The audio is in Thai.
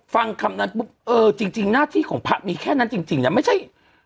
ฟังคำนั้นปุ๊บเออจริงหน้าที่ของพระมีแค่นั้นจริงนะไม่ใช่